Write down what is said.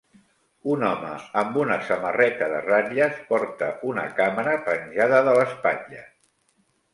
Un home amb una samarreta de ratlles porta una càmera penjada de l'espatlla.